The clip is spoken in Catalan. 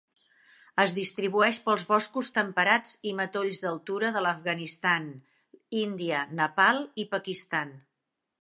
Es distribueix pels boscos temperats i matolls d'altura de l'Afganistan, Índia, Nepal i Pakistan.